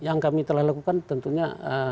yang kami telah lakukan tentunya